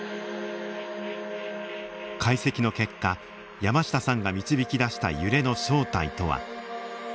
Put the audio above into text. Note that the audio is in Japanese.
解析の結果山下さんが導き出した揺れの正体とは。